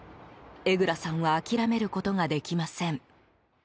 江蔵さんは諦めることができません。